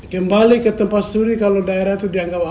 kembali ke tempat studi kalau daerah itu dianggap